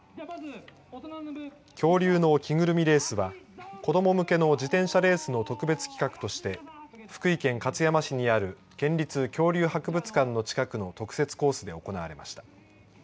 「恐竜の着ぐるみレース」は子ども向けの自転車レースの特別企画として福井県勝山市にある県立恐竜博物館の近くの特設コースで行われました。